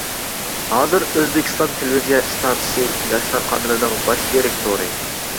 ھازىر ئۆزبېكىستان تېلېۋىزىيە ئىستانسىسى «ياشلار» قانىلىنىڭ باش دىرېكتورى.